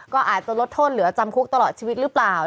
ก็อาจจะลดโทษเหลือจำคุกตลอดชีวิตหรือเปล่า